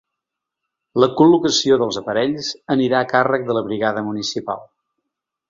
La col·locació dels aparells anirà a càrrec de la brigada municipal.